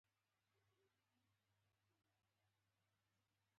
سیاستمداران پوهېدل چې فرصت پیدا نه کړي.